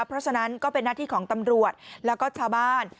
เพราะฉะนั้นก็เป็นหน้าที่ของตำรวจแล้วก็ชาวบ้าน